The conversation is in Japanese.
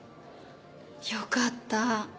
よかったぁ。